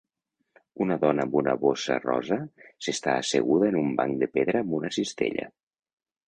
una dona amb una bossa rosa s'està asseguda en un banc de pedra amb una cistella